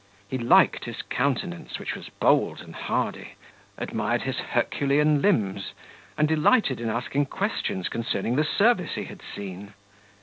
He liked his countenance, which was bold and hardy, admired his Herculean limbs, and delighted in asking questions concerning the service he had seen.